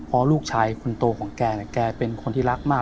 เพราะลูกชายคนโตของแกเนี่ยแกเป็นคนที่รักมาก